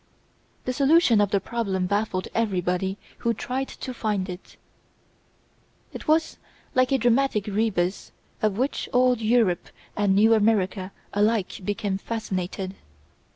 The solution of the problem baffled everybody who tried to find it. It was like a dramatic rebus with which old Europe and new America alike became fascinated.